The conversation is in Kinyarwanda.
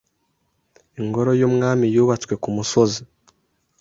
Ingoro yumwami yubatswe kumusozi.